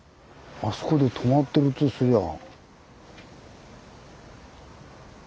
あそこで止まってるとすりゃあ。